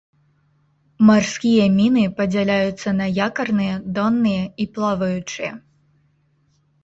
Марскія міны падзяляюцца на якарныя, донныя і плаваючыя.